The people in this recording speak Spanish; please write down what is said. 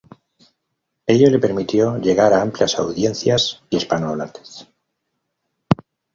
Ello le permitió llegar a amplias audiencias hispano hablantes.